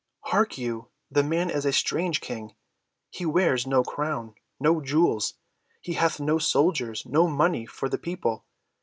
Hark you, the man is a strange King. He wears no crown, no jewels; he hath no soldiers, no money for the people.